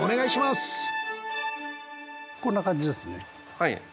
はい。